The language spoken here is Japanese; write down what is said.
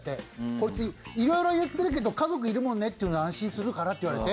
コイツいろいろ言ってるけど家族いるもんねっていうのは安心するからって言われて。